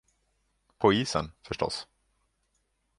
På isen, förstås.